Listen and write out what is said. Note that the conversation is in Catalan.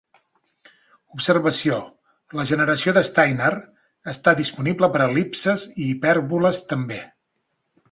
Observació: La generació de Steiner està disponible per a el·lipses i hipèrboles, també.